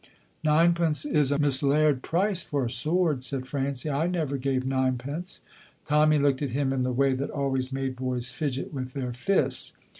"Ninepence is a mislaird price for a soord," said Francie. "I never gave ninepence." Tommy looked at him in the way that always made boys fidget with their fists.